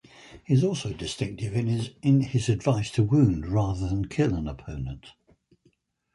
He is also distinctive in his advice to wound rather than kill an opponent.